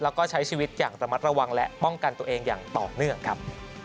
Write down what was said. แล้วก็ใช้ชีวิตอย่างระมัดระวังและป้องกันตัวเองอย่างต่อเนื่องครับ